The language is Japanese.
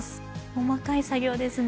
細かい作業ですね。